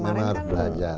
ya memang harus belajar